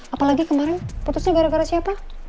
apalagi kemarin putusnya gara gara siapa